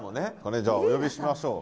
じゃあお呼びしましょう。